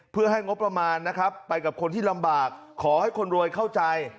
เพื่อให้งบประมาณนะครับไปกับคนที่ลำบากขอให้คนรวยเข้าใจ